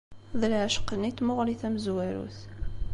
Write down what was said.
D leɛceq-nni n tmuɣli tamezwarut.